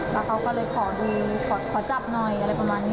แล้วเขาก็เลยขอดูขอจับหน่อยอะไรประมาณนี้